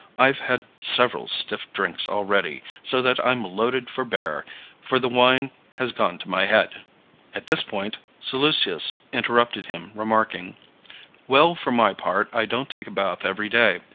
I've had several stiff drinks already, so that I'm loaded for bear; for the wine has gone to my head." At this point Seleucus interrupted him, remarking: "Well, for my part, I don't take a bath every day.